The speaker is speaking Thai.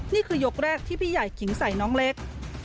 นี่คือยกแรกที่พี่ใหญ่ขิงใส่น้องเล็ก